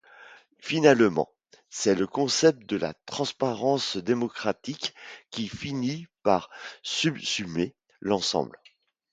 Finalement, c'est le concept de la transparence démocratique qui finit par subsumer l'ensemble.